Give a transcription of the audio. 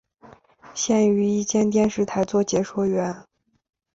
现于一间电视台做解说员。